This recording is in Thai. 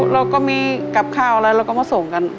เราก็มีกับข้าวอะไรเราก็มาส่งกัน